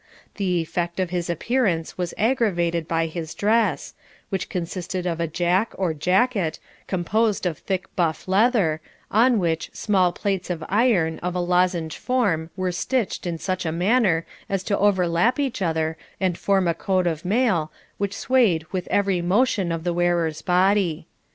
The effect of his appearance was aggravated by his dress, which consisted of a jack or jacket, composed of thick buff leather, on which small plates of iron of a lozenge form were stitched in such a manner as to overlap each other and form a coat of mail, which swayed with every motion of the wearer's body.